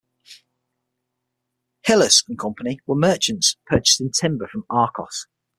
Hillas and Company were merchants purchasing timber from Arcos.